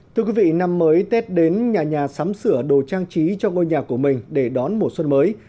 thưa quý vị năm mới tết đến nhà nhà sắm sửa đồ trang trí cho ngôi nhà của mình để đón mùa xuân mới